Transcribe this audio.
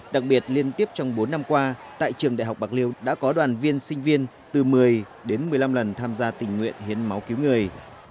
đặc biệt liên tiếp trong bốn năm qua tại trường đại học bạc liêu đã có đoàn viên sinh viên từ một mươi đến một mươi năm lần tham gia tình nguyện hiến máu cứu người